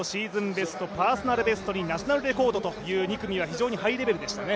ベストパーソナルベストにナショナルレコードと２組は非常にハイレベルでしたよね